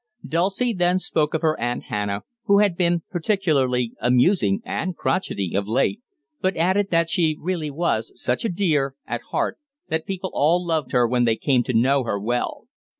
Dulcie then spoke of her Aunt Hannah, who had been particularly amusing and crochety of late, but added that she was really such a "dear" at heart that people all loved her when they came to know her well.